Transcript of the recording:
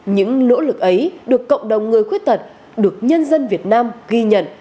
những nỗ lực ấy được cộng đồng người khuyết tật được nhân dân việt nam ghi nhận